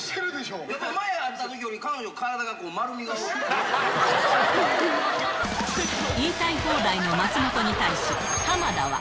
前会ったときより、彼女の体言いたい放題の松本に対し、浜田は。